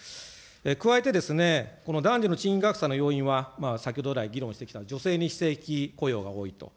加えてこの男女の賃金格差の要因は、先ほど来、議論してきた女性に非正規雇用が多いと。